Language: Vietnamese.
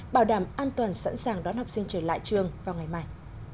bảo đảm an toàn sẵn sàng đón học sinh trở lại trường vào ngày mai